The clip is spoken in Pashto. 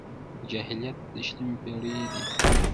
دا جاهلیت د شلمې پېړۍ دی.